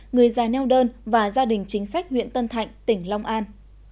người già neo đơn và gia đình chính sách huyện tân thạnh tỉnh long an